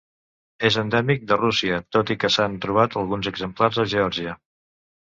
És endèmic de Rússia, tot i que s'han trobat alguns exemplars a Geòrgia.